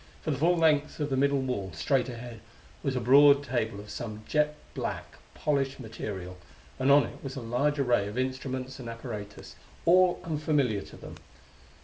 For the full length of the middle wall, straight ahead, was a broad table of some jet black polished material, and on it was a large array of instruments and apparatus, all unfamiliar to them.